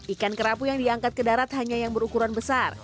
ikan kerapu yang diangkat ke darat hanya yang berukuran besar